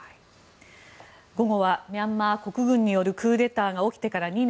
午後はミャンマー国軍によるクーデターが起きてから２年。